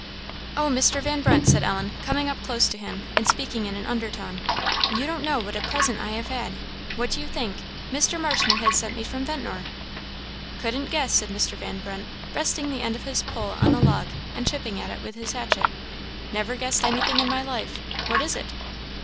"Oh, Mr. Van Brunt," said Ellen, coming close up to him, and speaking in an undertone "you don't know what a present I have had! What do you think, Mr. Marshman has sent me from Ventnor?" "Couldn't guess," said Mr. Van Brunt, resting the end of his pole on the log, and chipping at it with his hatchet "never guessed anything in my life what is it?"